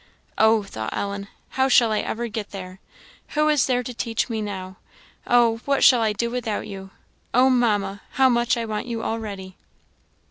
"Oh!" thought Ellen, "how shall I ever get there? Who is there to teach me now? Oh! what shall I do without you? Oh, Mamma! how much I want you already!"